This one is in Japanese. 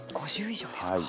５０以上ですか。